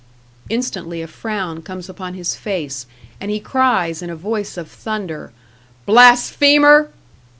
Instantly a frown comes upon his face, and he cries in a voice of thunder, "Blasphemer!"